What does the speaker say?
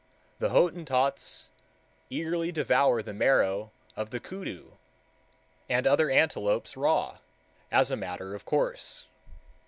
The Hottentots eagerly devour the marrow of the koodoo and other antelopes raw, as a matter of course.